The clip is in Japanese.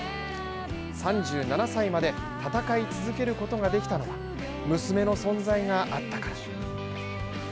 ３７歳まで戦い続けることができたのは、娘の存在があったから。